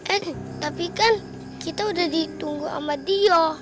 eh tapi kan kita udah ditunggu sama dia